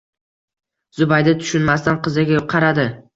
Zubayda tushunmasdan qiziga qaradi